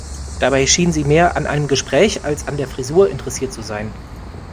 Dabei schien sie mehr an einem Gespräch als an der Frisur interessiert zu sein.